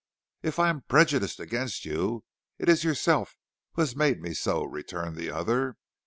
"If I am prejudiced against you, it is yourself who has made me so," returned the other.